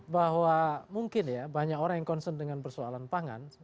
bahwa mungkin ya banyak orang yang concern dengan persoalan pangan